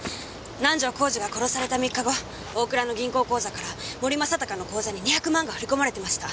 南条晃司が殺された３日後大倉の銀行口座から森正孝の口座に２００万が振り込まれてました。